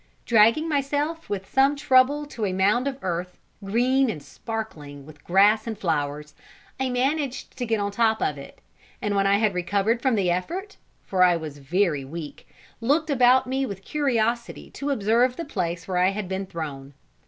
Dragging myself with some trouble to a mound of earth, green and sparkling with grass and flowers, I managed to get on top of it; and when I had recovered from the effort, for I was very weak, looked about me with curiosity to observe the place where I had been thrown.